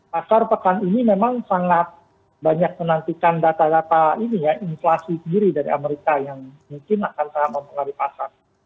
pasar pekan ini memang sangat banyak menantikan data data ini ya inflasi sendiri dari amerika yang mungkin akan sangat mempengaruhi pasar